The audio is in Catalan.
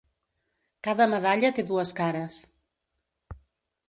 Cada medalla té dues cares.